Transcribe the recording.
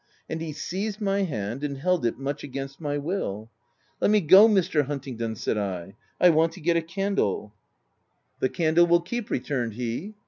And he seized my hand, and held it much against my will. " Let me go, Mr. Huntingdon !" said I — u I want to get a candle/' u The candle will keep," returned he.